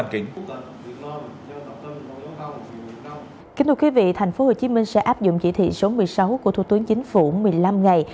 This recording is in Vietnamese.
kính thưa quý vị thành phố hồ chí minh sẽ áp dụng chỉ thị số một mươi sáu của thủ tướng chính phủ một mươi năm ngày